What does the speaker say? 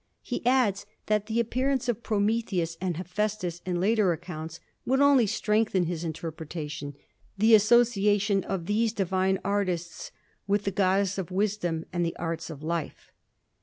He adds that the appearance of Prometheus and Hephæstus in later accounts would only strengthen his interpretation, the association of these divine artists with the goddess of wisdom and of the arts of life.